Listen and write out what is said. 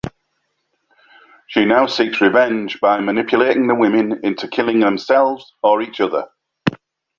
She now seeks revenge by manipulating the women into killing themselves or each other.